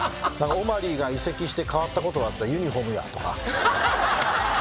オマリーが移籍して変わったことは？っていったら「ユニホームや」とか。